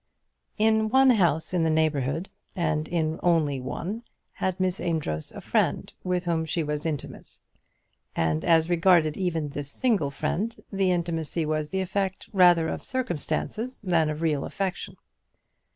In one house in the neighbourhood, and in only one, had Miss Amedroz a friend with whom she was intimate; and as regarded even this single friend, the intimacy was the effect rather of circumstances than of real affection.